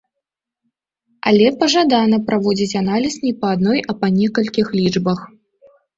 Але пажадана праводзіць аналіз не па адной, а па некалькіх лічбах.